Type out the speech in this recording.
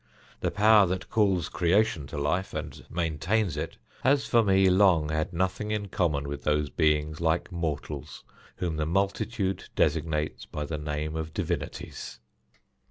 The power that calls creation to life, and maintains it, has for me long had nothing in common with those beings like mortals whom the multitude designates by the name of divinities."